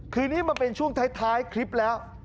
คือนี่มันเป็นช่วงท้ายคลิปแล้ว